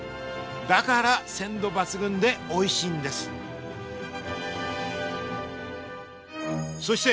だから鮮度抜群でおいしいんですそして